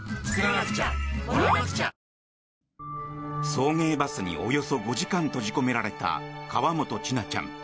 送迎バスにおよそ５時間閉じ込められた河本千奈ちゃん。